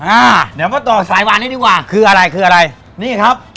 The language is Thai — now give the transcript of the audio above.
อ่าเดี๋ยวมาต่อสายหวานนี้ดีกว่าคืออะไรคืออะไรนี่ครับ